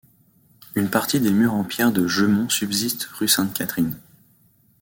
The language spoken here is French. Une partie des murs en pierre de Jeumont subsiste rue Sainte-Catherine.